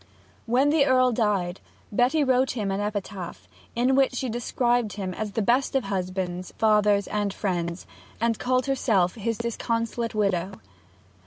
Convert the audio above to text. When the Earl died Betty wrote him an epitaph, in which she described him as the best of husbands, fathers, and friends, and called herself his disconsolate widow.